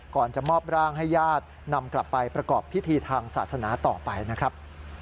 ก่อนจะมอบร่างให้ญาตินำกลับไปประกอบพิธีทางศาสนาต่อไปนะครับ